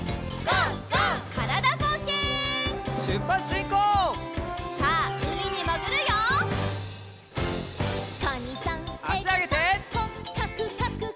あしあげて。